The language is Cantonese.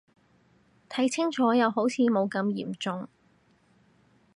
睇清楚又好似冇咁嚴重